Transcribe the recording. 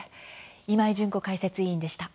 今井純子解説委員でした。